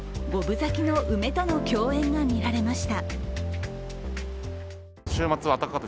咲きの梅との共演が見られました。